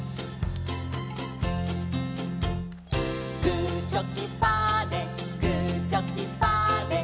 「グーチョキパーでグーチョキパーで」